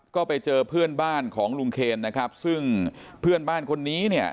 ก็ไปเจอเพื่อนบ้านของลุงเคนนะครับซึ่งเพื่อนบ้านคนนี้เนี่ย